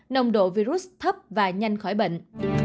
nồng độ virus thấp và nhanh khỏi bệnh